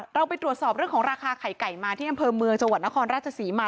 เราไปตรวจสอบเรื่องของราคาไข่ไก่มาที่อำเภอเมืองจังหวัดนครราชศรีมา